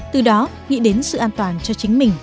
từ đó nghĩ đến sự an toàn cho chính mình